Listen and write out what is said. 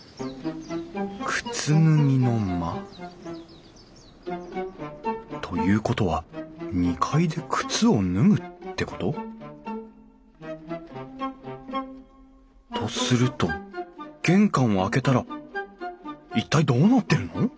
靴脱ぎの間。ということは２階で靴を脱ぐってこと？とすると玄関を開けたら一体どうなってるの？